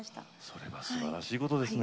それはすばらしいことですね。